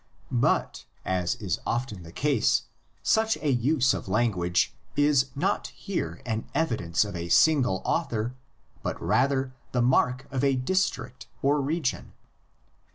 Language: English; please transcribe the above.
But, as is often the case, such a use of language is not here an evi dence of a single author, but rather the mark of a district or region.